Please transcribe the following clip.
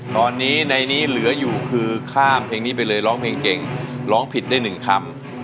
ตอนนี้ในนี้เหลืออยู่คือข้ามเพลงนี้ไปเลยร้องเพลงเก่งร้องผิดได้หนึ่งคำ